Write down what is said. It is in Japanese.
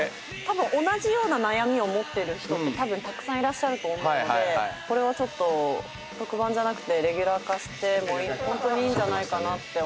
同じような悩みを持ってる人ってたぶんたくさんいらっしゃると思うのでこれはちょっと特番じゃなくてレギュラー化してもホントにいいんじゃないかって思いました。